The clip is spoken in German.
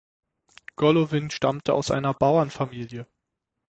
Golowin stammte aus einer Bauernfamilie.